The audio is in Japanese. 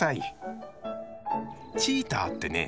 チーターってね